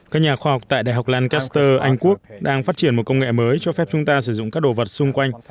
các nhà khoa học tại đại học lan caster anh quốc đang phát triển một công nghệ mới cho phép chúng ta sử dụng các đồ vật xung quanh